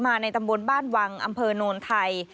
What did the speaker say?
ในตำบลบ้านวังอำเภอโนนไทย